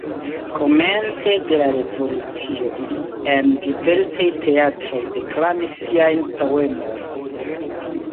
Komence de la revolucio li en diversaj teatroj deklamis siajn poemojn.